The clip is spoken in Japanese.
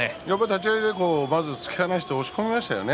立ち合い、突き放して押し込みました。